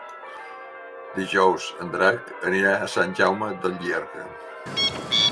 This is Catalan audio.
Dijous en Drac anirà a Sant Jaume de Llierca.